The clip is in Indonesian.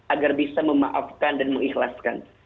agar bisa memaafkan dan mengikhlaskan